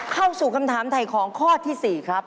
เข้าสู่คำถามถ่ายของข้อที่๔ครับ